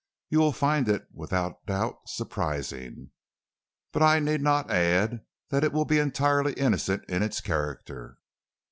You will find it, without doubt, surprising, but I need not add that it will be entirely innocent in its character."